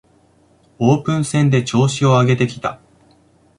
オープン戦で調子を上げてきた